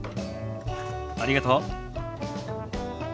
ありがとう。